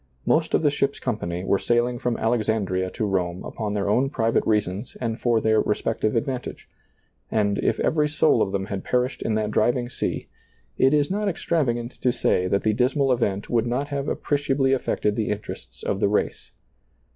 Most of the ship's com pany were sailing from Alexandria to Rome upon their own private reasons and for their respective advantage ; and, if every soul of them had per ished in that driving sea, it is not extravagant to ■ say that the dismal event would not have appre ciably affected the interests of the race.